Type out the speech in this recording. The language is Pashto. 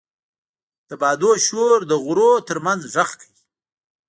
د بادونو شور د غرونو تر منځ غږ کوي.